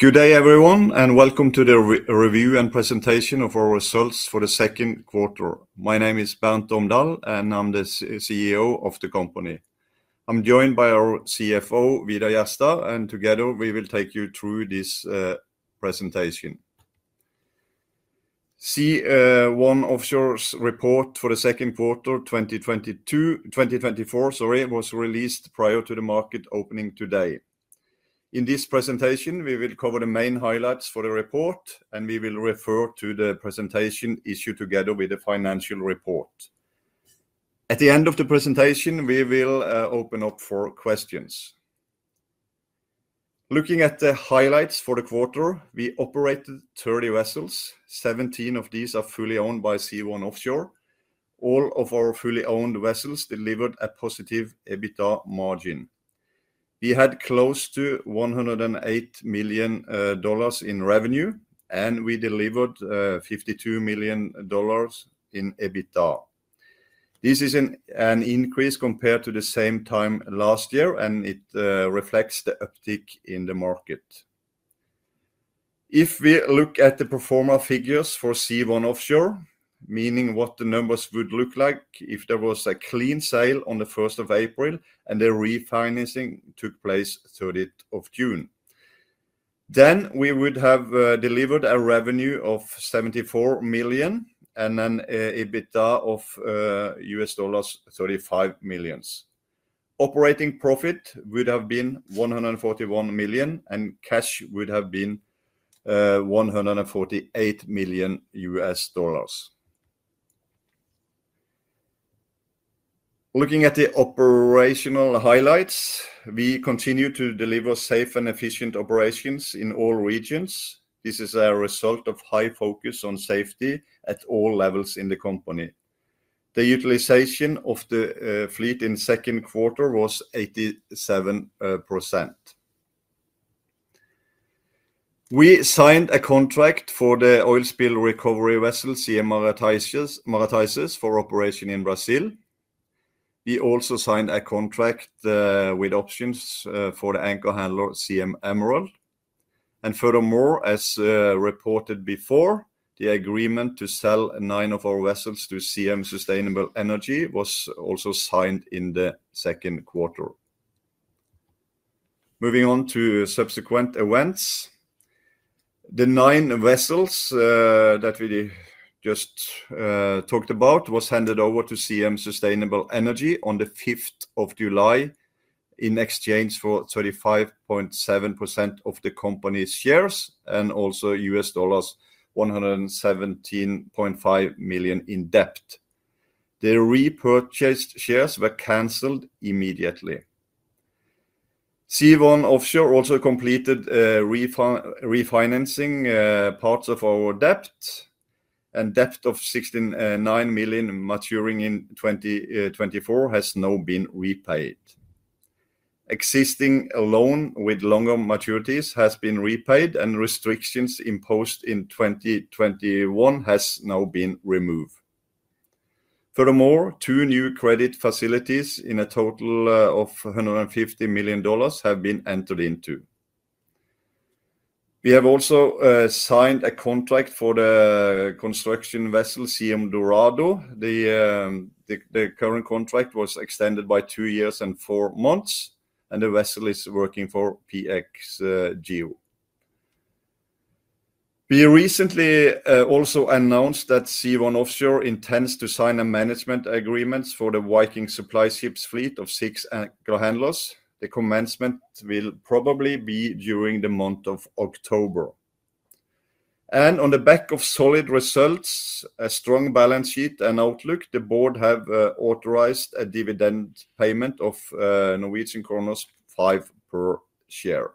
Good day, everyone, and welcome to the review and presentation of our results for the second quarter. My name is Bernt Omdal, and I'm the CEO of the company. I'm joined by our CFO, Vidar Jerstad, and together we will take you through this presentation. Sea1 Offshore's report for the second quarter, 2022... 2024, sorry, was released prior to the market opening today. In this presentation, we will cover the main highlights for the report, and we will refer to the presentation issued together with the financial report. At the end of the presentation, we will open up for questions. Looking at the highlights for the quarter, we operated 30 vessels. 17 of these are fully owned by Sea1 Offshore. All of our fully owned vessels delivered a positive EBITDA margin. We had close to $108 million in revenue, and we delivered $52 million in EBITDA. This is an increase compared to the same time last year, and it reflects the uptick in the market. If we look at the pro forma figures for Sea1 Offshore, meaning what the numbers would look like if there was a clean sale on the April 1 and the refinancing took place 30th of June, then we would have delivered a revenue of $74 million and an EBITDA of $35 million. Operating profit would have been $141 million, and cash would have been $148 million. Looking at the operational highlights, we continue to deliver safe and efficient operations in all regions. This is a result of high focus on safety at all levels in the company. The utilization of the fleet in second quarter was 87%. We signed a contract for the oil spill recovery vessel, Siem Marataizes, for operation in Brazil. We also signed a contract with options for the anchor handler, Siem Emerald. And furthermore, as reported before, the agreement to sell nine of our vessels to Siem Sustainable Energy was also signed in the second quarter. Moving on to subsequent events. The nine vessels that we just talked about was handed over to Siem Sustainable Energy on the fifth of July in exchange for 35.7% of the company's shares and also $117.5 million in debt. The repurchased shares were canceled immediately. Sea1 Offshore also completed refinancing parts of our debt, and debt of $69 million maturing in 2024 has now been repaid. Existing loan with longer maturities has been repaid, and restrictions imposed in 2021 has now been removed. Furthermore, two new credit facilities in a total of $150 million have been entered into. We have also signed a contract for the construction vessel, Siem Dorado. The current contract was extended by two years and four months, and the vessel is working for PXGEO. We recently also announced that Sea1 Offshore intends to sign a management agreements for the Viking Supply Ships fleet of six anchor handlers. The commencement will probably be during the month of October. On the back of solid results, a strong balance sheet and outlook, the board have authorized a dividend payment of 5 per share.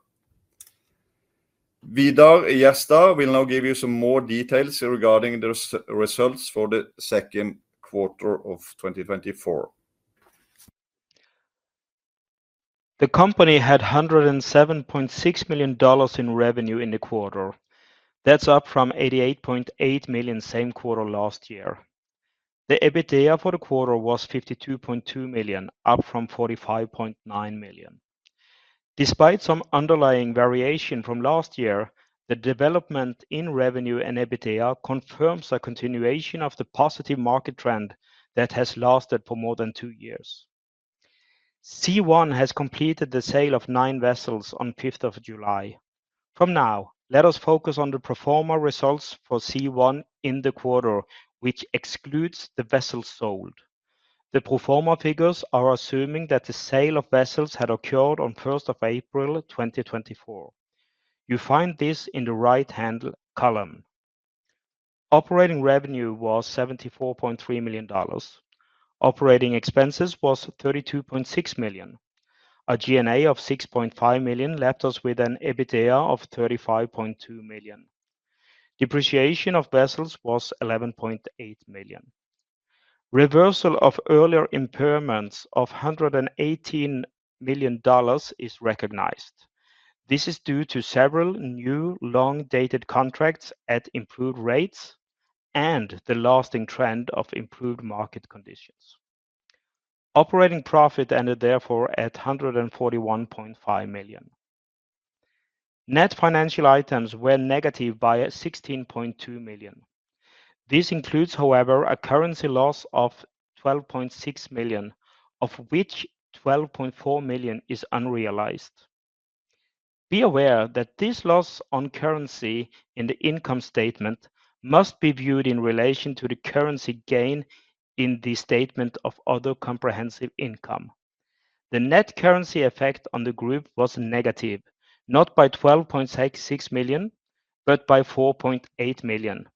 Vidar Jerstad will now give you some more details regarding the results for the second quarter of 2024. The company had $107.6 million in revenue in the quarter. That's up from $88.8 million, same quarter last year. The EBITDA for the quarter was $52.2 million, up from $45.9 million. Despite some underlying variation from last year, the development in revenue and EBITDA confirms a continuation of the positive market trend that has lasted for more than two years. Sea1 has completed the sale of nine vessels on fifth of July. From now, let us focus on the pro forma results for Sea1 in the quarter, which excludes the vessels sold. The pro forma figures are assuming that the sale of vessels had occurred on April 1, 2024. You find this in the right-hand column. Operating revenue was $74.3 million. Operating expenses was $32.6 million. A G&A of $6.5 million left us with an EBITDA of $35.2 million. Depreciation of vessels was $11.8 million. Reversal of earlier impairments of $118 million is recognized. This is due to several new long-dated contracts at improved rates and the lasting trend of improved market conditions. Operating profit ended therefore at $141.5 million. Net financial items were negative by $16.2 million. This includes, however, a currency loss of $12.6 million, of which $12.4 million is unrealized. Be aware that this loss on currency in the income statement must be viewed in relation to the currency gain in the statement of other comprehensive income. The net currency effect on the group was negative, not by $12.6 million, but by $4.8 million.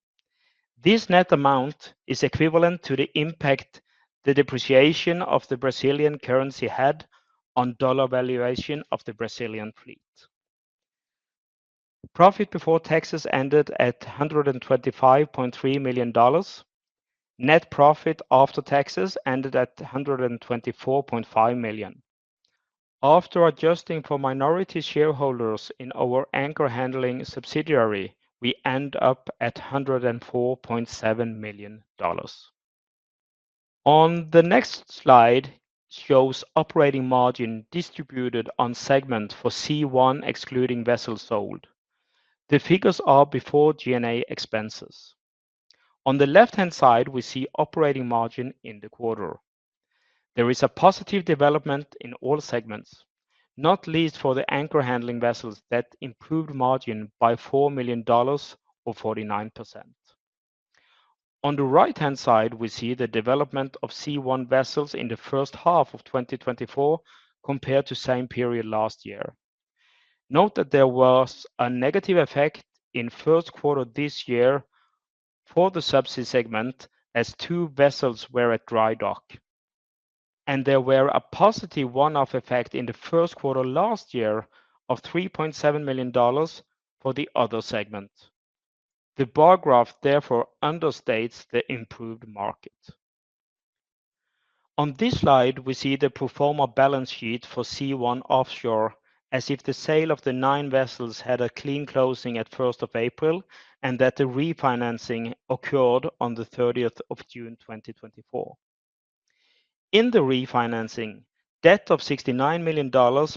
This net amount is equivalent to the impact the depreciation of the Brazilian currency had on dollar valuation of the Brazilian fleet. Profit before taxes ended at $125.3 million. Net profit after taxes ended at $124.5 million. After adjusting for minority shareholders in our anchor handling subsidiary, we end up at $104.7 million. On the next slide, shows operating margin distributed on segment for Sea1, excluding vessels sold. The figures are before G&A expenses. On the left-hand side, we see operating margin in the quarter. There is a positive development in all segments, not least for the anchor handling vessels that improved margin by $4 million or 49%. On the right-hand side, we see the development of Sea1 vessels in the first half of 2024, compared to same period last year. Note that there was a negative effect in first quarter this year for the subsea segment, as two vessels were at dry dock, and there was a positive one-off effect in the first quarter last year of $3.7 million for the other segment. The bar graph therefore understates the improved market. On this slide, we see the pro forma balance sheet for Sea1 Offshore, as if the sale of the nine vessels had a clean closing at April 1, and that the refinancing occurred on the thirtieth of June, 2024. In the refinancing, debt of $69 million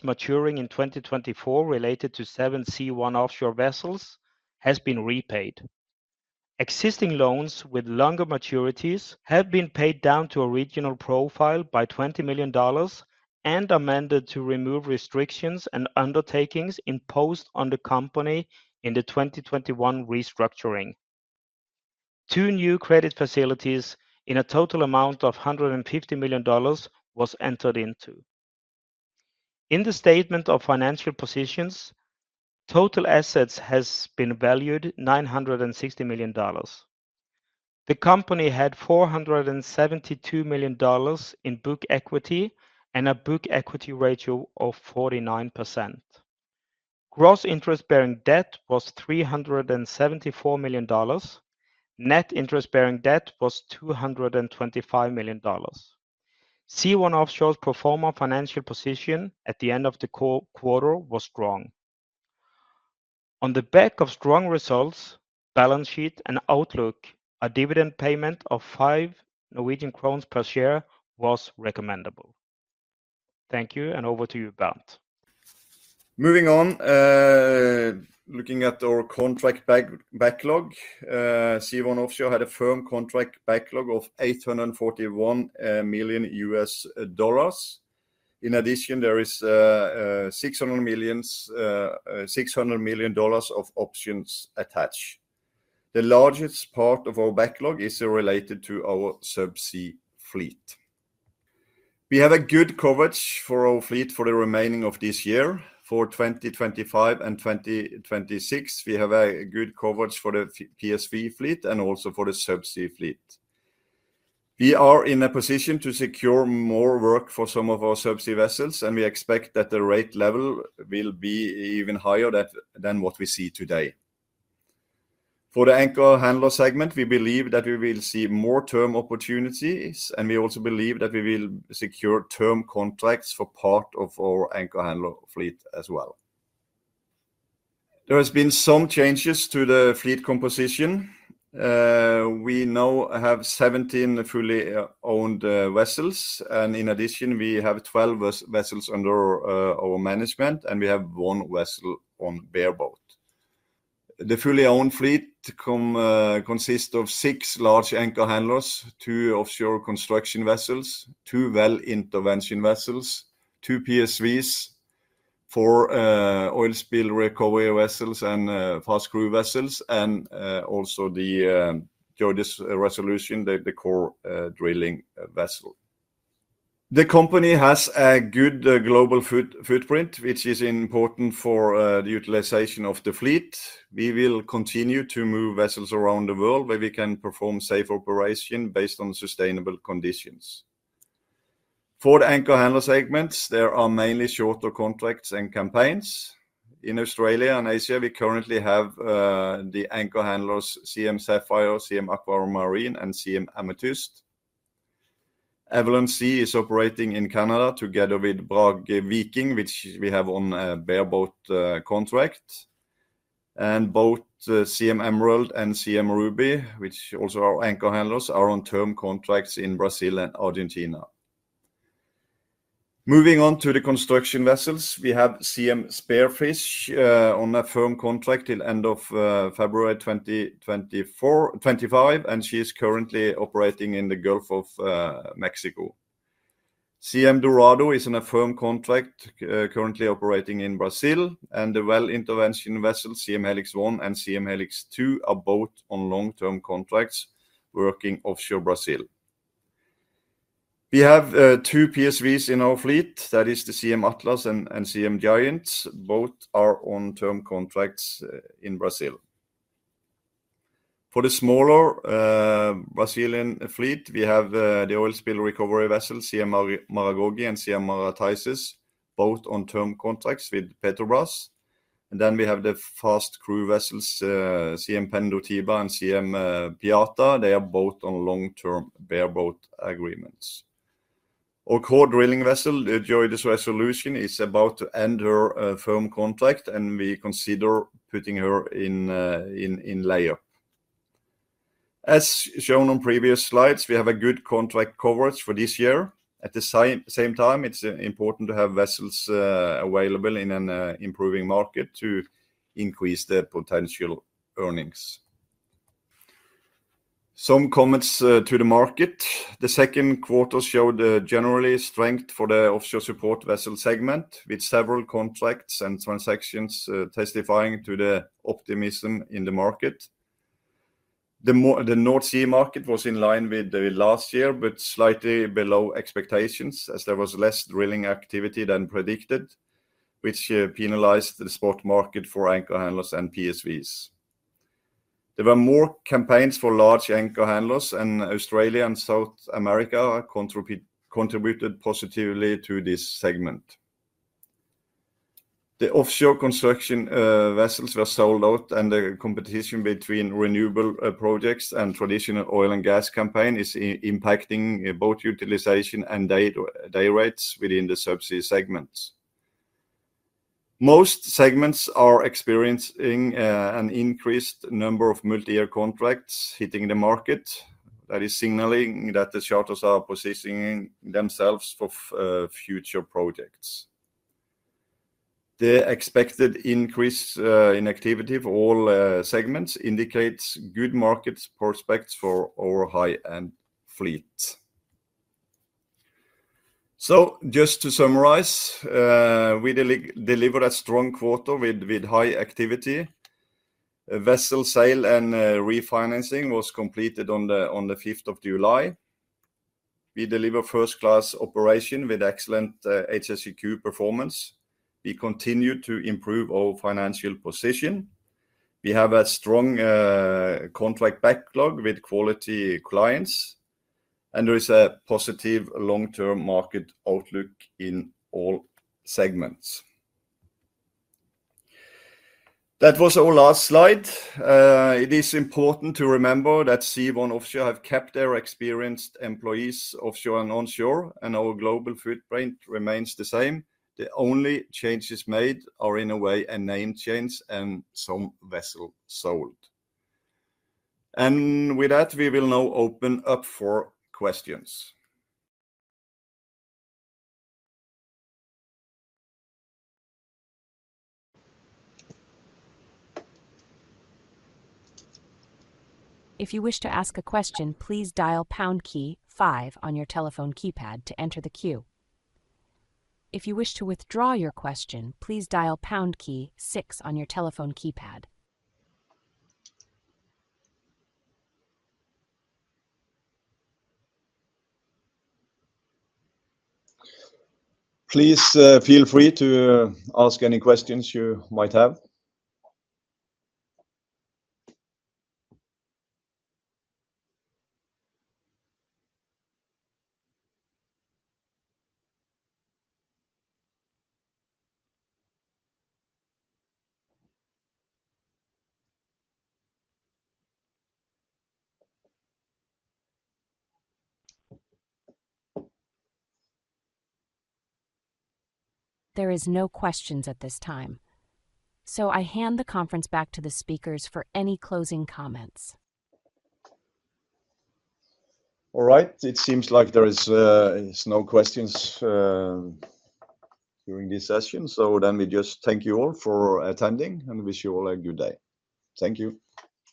maturing in 2024 related to seven Sea1 Offshore vessels has been repaid. Existing loans with longer maturities have been paid down to a regional profile by $20 million and amended to remove restrictions and undertakings imposed on the company in the 2021 restructuring. Two new credit facilities in a total amount of $150 million was entered into. In the statement of financial positions, total assets has been valued $960 million. The company had $472 million in book equity and a book equity ratio of 49%. Gross interest bearing debt was $374 million. Net interest bearing debt was $225 million. Sea1 Offshore's pro forma financial position at the end of the quarter was strong. On the back of strong results, balance sheet and outlook, a dividend payment of 5 Norwegian crowns per share was recommendable. Thank you, and over to you, Bernt. Moving on, looking at our contract backlog. Sea1 Offshore had a firm contract backlog of $841 million. In addition, there is $600 million of options attached. The largest part of our backlog is related to our subsea fleet. We have a good coverage for our fleet for the remaining of this year. For 2025 and 2026, we have a good coverage for the PSV fleet and also for the subsea fleet. We are in a position to secure more work for some of our subsea vessels, and we expect that the rate level will be even higher than what we see today. For the anchor handler segment, we believe that we will see more term opportunities, and we also believe that we will secure term contracts for part of our anchor handler fleet as well. There has been some changes to the fleet composition. We now have seventeen fully owned vessels, and in addition, we have twelve vessels under our management, and we have one vessel on bareboat. The fully owned fleet consists of six large anchor handlers, two offshore construction vessels, two well intervention vessels, two PSVs, four oil spill recovery vessels, and fast crew vessels, and also the JOIDES Resolution, the core drilling vessel. The company has a good global footprint, which is important for the utilization of the fleet. We will continue to move vessels around the world where we can perform safe operation based on sustainable conditions. For the anchor handler segments, there are mainly shorter contracts and campaigns. In Australia and Asia, we currently have the anchor handlers, Siem Sapphire, Siem Aquamarine, and Siem Amethyst. Avalon Sea is operating in Canada together with Brage Viking, which we have on a bareboat contract, and both the Siem Emerald and Siem Ruby, which also are anchor handlers, are on term contracts in Brazil and Argentina. Moving on to the construction vessels, we have Siem Spearfish on a firm contract till end of February 2024, 2025, and she is currently operating in the Gulf of Mexico. Siem Dorado is in a firm contract, currently operating in Brazil, and the well intervention vessels, Siem Helix One and Siem Helix Two, are both on long-term contracts working offshore Brazil. We have two PSVs in our fleet, that is the Siem Atlas and Siem Giant. Both are on term contracts in Brazil. For the smaller Brazilian fleet, we have the oil spill recovery vessel, Siem Maragogi and Siem Marataizes, both on term contracts with Petrobras. And then we have the fast crew vessels, Siem Pendotiba and Siem Piata. They are both on long-term bareboat agreements. Our core drilling vessel, the JOIDES Resolution, is about to end her firm contract, and we consider putting her in lay-up. As shown on previous slides, we have a good contract coverage for this year. At the same time, it's important to have vessels available in an improving market to increase the potential earnings. Some comments to the market. The second quarter showed generally strength for the offshore support vessel segment, with several contracts and transactions testifying to the optimism in the market. The North Sea market was in line with the last year, but slightly below expectations, as there was less drilling activity than predicted, which penalized the spot market for anchor handlers and PSVs. There were more campaigns for large anchor handlers, and Australia and South America contributed positively to this segment. The offshore construction vessels were sold out, and the competition between renewable projects and traditional oil and gas campaign is impacting both utilization and day rates within the subsea segments. Most segments are experiencing an increased number of multi-year contracts hitting the market. That is signaling that the charters are positioning themselves for future projects. The expected increase in activity for all segments indicates good market prospects for our high-end fleet. So just to summarize, we delivered a strong quarter with high activity. A vessel sale and refinancing was completed on the July 5th. We deliver first class operation with excellent HSEQ performance. We continue to improve our financial position. We have a strong contract backlog with quality clients, and there is a positive long-term market outlook in all segments. That was our last slide. It is important to remember that Sea1 Offshore have kept their experienced employees offshore and onshore, and our global footprint remains the same. The only changes made are, in a way, a name change and some vessels sold, and with that, we will now open up for questions. If you wish to ask a question, please dial pound key five on your telephone keypad to enter the queue. If you wish to withdraw your question, please dial pound key six on your telephone keypad. Please, feel free to ask any questions you might have. There are no questions at this time, so I hand the conference back to the speakers for any closing comments. All right. It seems like there is no questions during this session. So then we just thank you all for attending, and wish you all a good day. Thank you.